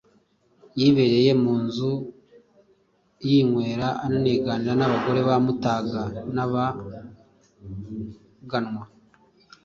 yibereye mu nzu yinywera aniganirira n’abagore ba Mutaga n’aba baganwa.